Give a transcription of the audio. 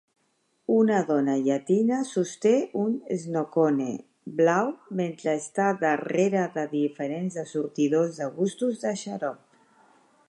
Una dona llatina sosté un "snocone" blau mentre està darrere de diferents assortidors de gustos de xarop.